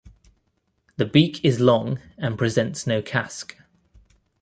The beak is long and presents no casque.